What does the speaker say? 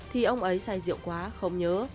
thì ông ấy say rượu quá không nhớ